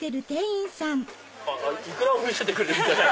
イクラを見せてくれるんじゃ。